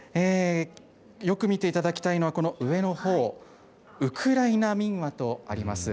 よく見ていただきたいのは、この上のほう、ウクライナ民話とあります。